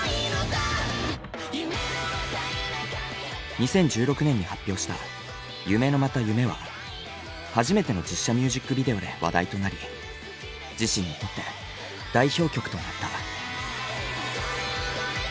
２０１６年に発表した「夢のまた夢」は初めての実写ミュージックビデオで話題となり自身にとって代表曲となった。